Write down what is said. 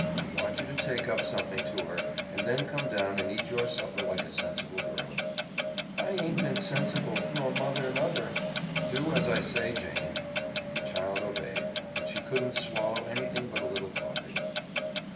I want you to take up something to her, and then come down and eat your supper like a sensible girl." "I aint been sensible, nor mother nuther." "Do as I say, Jane." The child obeyed, but she couldn't swallow anything but a little coffee.